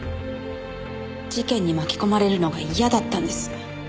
事件に巻き込まれるのが嫌だったんです。